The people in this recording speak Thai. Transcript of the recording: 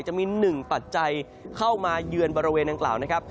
จะมี๑ปัจจัยเข้ามาเยือนบริเวณดังกล่าวนะครับ